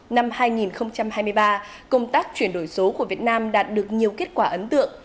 năm hai nghìn hai mươi ba công tác chuyển đổi số của việt nam đạt được nhiều kết quả ấn tượng